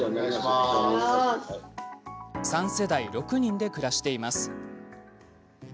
３世代、６人で暮らしています。